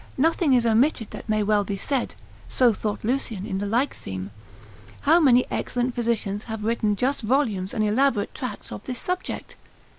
Nothing is omitted that may well be said, so thought Lucian in the like theme. How many excellent physicians have written just volumes and elaborate tracts of this subject?